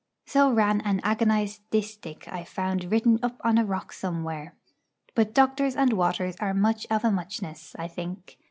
So ran an agonised distich I found written up on a rock somewhere. But doctors and waters are much of a muchness, I think.